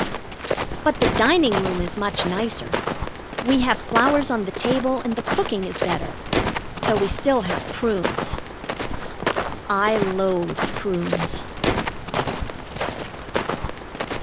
But the dining room is much nicer. We have flowers on the table, and the cooking is better, though we still have prunes. I loathe prunes.